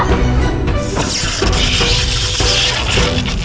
aku tak ada tujuan